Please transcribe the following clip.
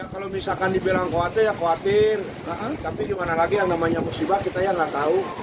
kalau misalkan dibilang khawatir ya khawatir tapi gimana lagi yang namanya musibah kita ya nggak tahu